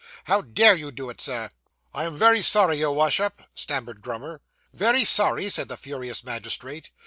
How dare you do it, Sir?' 'I am very sorry, your Wash up,' stammered Grummer. 'Very sorry!' said the furious magistrate.